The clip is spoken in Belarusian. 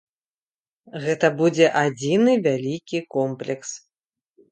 Гэта будзе адзіны вялікі комплекс.